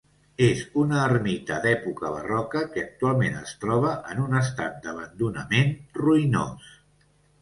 És una ermita d'època barroca que actualment es troba en un estat d'abandonament ruïnós.